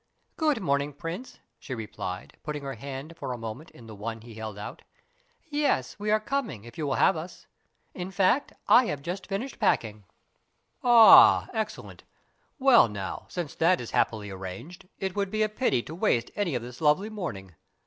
"Good morning, Prince!" she replied, putting her hand for a moment in the one he held out. "Yes, we are coming, if you will have us. In fact, I have just finished packing." "Ah, excellent! Well now, since that is happily arranged, it would be a pity to waste any of this lovely morning.